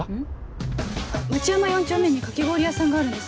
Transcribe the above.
町山４丁目にかき氷屋さんがあるんです